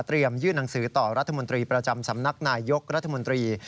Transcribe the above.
ยื่นหนังสือต่อรัฐมนตรีประจำสำนักนายยกรัฐมนตรี